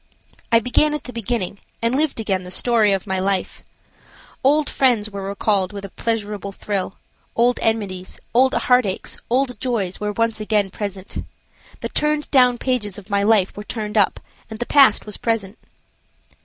I began at the beginning, and lived again the story of my life. Old friends were recalled with a pleasurable thrill; old enmities, old heartaches, old joys were once again present. The turned down pages of my life were turned up, and the past was present.